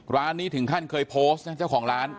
ร้านนี้ถึงขั้นเคยโพสต์นะเจ้าของร้าน